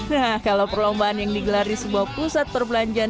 nah kalau perlombaan yang digelar di sebuah pusat perbelanjaan